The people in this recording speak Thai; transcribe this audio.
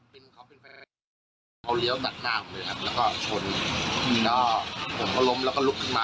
อ๋อ๙วันแล้วครับ